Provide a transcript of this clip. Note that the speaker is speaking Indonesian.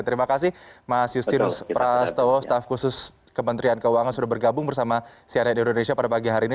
terima kasih mas justinus prastowo staff khusus kementerian keuangan sudah bergabung bersama cnn indonesia pada pagi hari ini